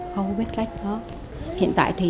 không biết rách đó hiện tại thì